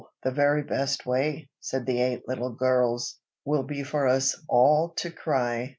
the very best way," said the eight little gurrls; "Will be for us ahl to cry!"